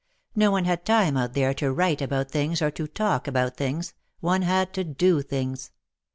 No one had time out there to write about things or to talk about things, — one had to do things.